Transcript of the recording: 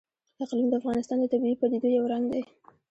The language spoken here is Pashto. اقلیم د افغانستان د طبیعي پدیدو یو رنګ دی.